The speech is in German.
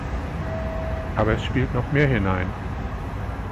Aber es spielt noch mehr hinein.